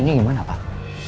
saya minta dukungan pak